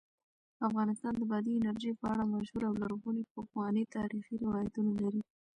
افغانستان د بادي انرژي په اړه مشهور او لرغوني پخواني تاریخی روایتونه لري.